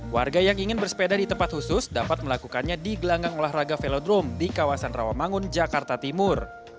warga yang ingin bersepeda di tempat khusus dapat melakukannya di gelanggang olahraga velodrome di kawasan rawamangun jakarta timur